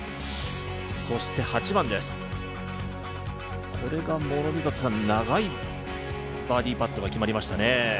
そして８番です、これが長いバーディーパットが決まりましたね。